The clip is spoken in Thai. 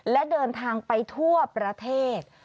และเดินทางไปทั่วประเทศ